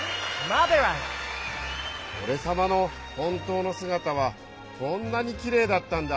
オレさまのほんとうのすがたはこんなにキレイだったんだ！